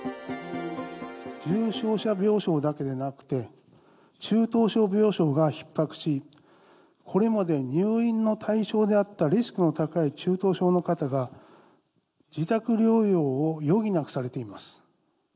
重症者病床だけでなくて、中等症病床がひっ迫し、これまで入院の対象であったリスクの高い中等症の方が、自宅療養を余儀なくされています。